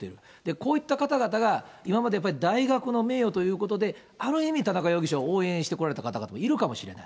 こういった方々が今までやっぱり大学の名誉ということで、ある意味、田中容疑者を応援してこられた方々がいるかもしれない。